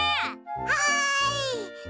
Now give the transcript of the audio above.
はい！